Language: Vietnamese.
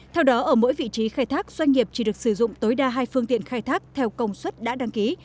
theo đó ở mỗi vị trí khai thác doanh nghiệp chỉ được sử dụng tối đa hai phương tiện khai thác theo công suất đã đăng ký